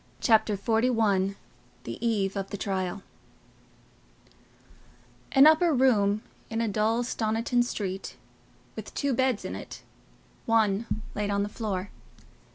Chapter XLI The Eve of the Trial An upper room in a dull Stoniton street, with two beds in it—one laid on the floor.